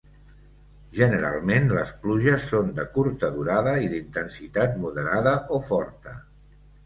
Generalment, les pluges són de curta durada i d'intensitat moderada o forta.